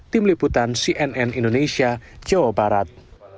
tim liputan cnn indonesia jawa barat